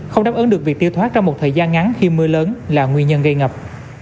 không đáp ứng được việc tiêu thoát trong một thời gian ngắn khi mưa lớn là nguyên nhân gây ngập